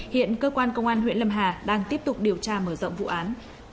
hiện cơ quan công an huyện lâm hà đang tiếp tục điều tra mở rộng vụ án